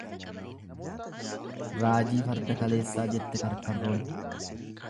Raajii farda kaleessaa jette karkarroon.